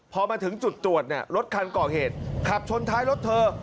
พอมาถึงจุดตรวจรถคันก่อเหตุขับชนท้ายรถเธอ